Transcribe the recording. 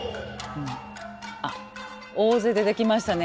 大勢出てきましたね。